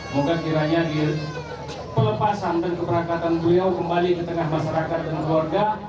moga kiranya pelepasan dan keberangkatan beliau kembali ke tengah masyarakat dan keluarga